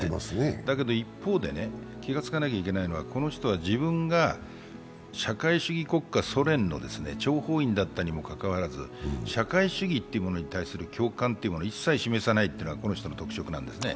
だけど一方で、気がつかなきゃいけないのは、この人は自分が社会主義国家・ソ連の諜報員だったにもかかわらず、社会主義というものに対する共感を一切示さないのがこの人の特徴なんですね。